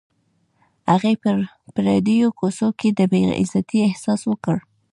هغې په پردیو کوڅو کې د بې عزتۍ احساس وکړ